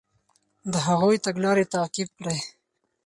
د هغوی تګلارې تعقیب کړئ.